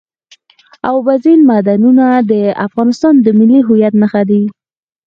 اوبزین معدنونه د افغانستان د ملي هویت نښه ده.